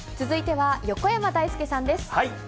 続いては横山だいすけさんです。